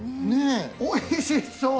おいしそう。